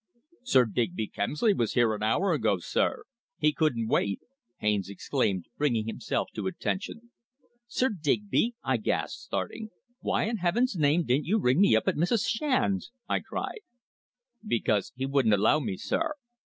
"Sir Digby Kemsley was here an hour ago, sir. He couldn't wait!" Haines exclaimed, bringing himself to attention. "Sir Digby!" I gasped, starting. "Why, in heaven's name, didn't you ring me up at Mrs. Shand's?" I cried. "Because he wouldn't allow me, sir.